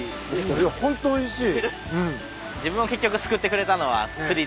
いやホントおいしい。